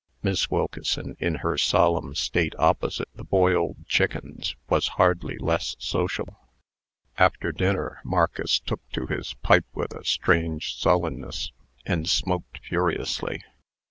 Miss Wilkeson, in her solemn state opposite the boiled chickens, was hardly less social. After dinner, Marcus took to his pipe with a strange sullenness, and smoked furiously.